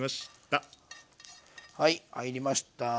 はい入りました。